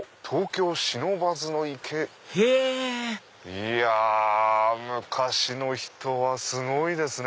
いや昔の人はすごいですね。